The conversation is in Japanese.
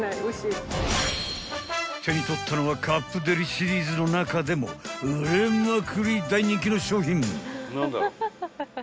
［手に取ったのはカップデリシリーズの中でも売れまくり大人気の商品］